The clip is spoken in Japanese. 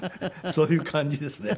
そういう感じですね。